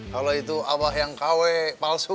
kalau itu abah yang kw palsu